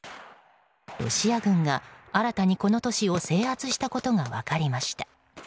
ロシア軍が新たにこの都市を制圧したことが分かりました。